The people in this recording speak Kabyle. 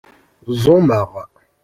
Ẓumeɣ.